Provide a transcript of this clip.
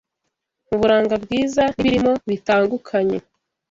Muburanga bwiza nibirimo bitangukanye